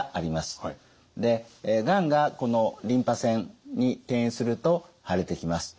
でがんがこのリンパ腺に転移すると腫れてきます。